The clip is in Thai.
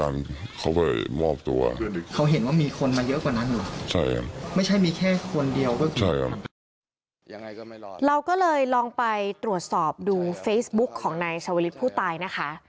เราก็เลยลองไปตรวจสอบดูเฟซบุ๊กของนายชาวลิศผู้ตายนะคะ